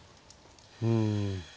うん。